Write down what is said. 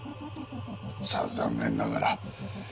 さあ残念ながら。